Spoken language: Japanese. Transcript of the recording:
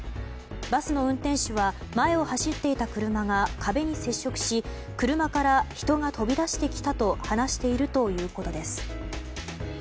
バスの運転手は前を走っていた車が壁に接触し車から人が飛び出してきたと話しているということです。